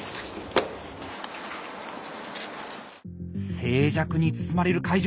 静寂に包まれる会場。